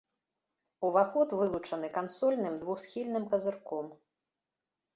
Уваход вылучаны кансольным двухсхільным казырком.